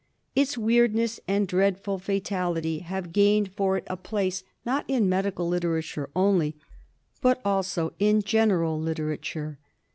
Its weirdness and dreadful fatality have gained for it a place not in medical literature only, but also in general literature.